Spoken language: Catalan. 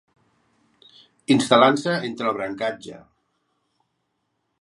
Instal·lant-se entre el brancatge.